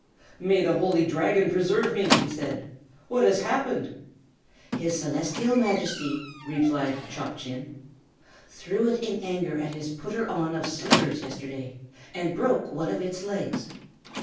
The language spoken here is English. "May the Holy Dragon preserve me!" he said. "What has happened?" "His Celestial Majesty," replied Chop Chin, "threw it in anger at his Putter on of Slippers yesterday, and broke one of its legs.